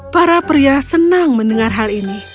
para pria senang mendengar hal ini